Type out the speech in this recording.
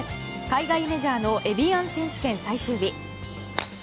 海外メジャーのエビアン選手権最終日。